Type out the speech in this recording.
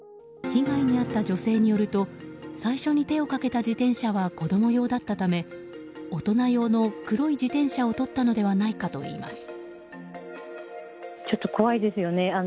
被害に遭った女性によると最初に手をかけた自転車は子供用だったため大人用の黒い自転車をとったのではないかといいます。